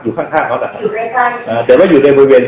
อยู่ข้างเขาล่ะครับอยู่ใกล้ใกล้อ่าเดี๋ยวเราอยู่ในบริเวณ